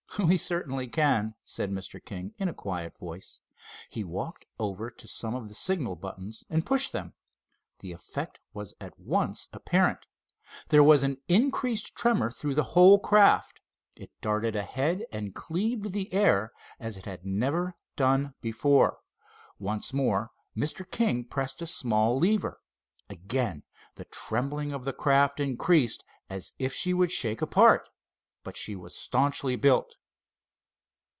"We certainly can," said Mr. King, in a quiet voice. He walked over to some of the signal buttons and pushed them. The effect was at once apparent. There was an increased tremor through the whole craft. It darted ahead and cleaved the air as it had never done before. Once more Mr. King pressed a small lever. Again the trembling of the craft increased as if she would shake apart. But she was staunchly built.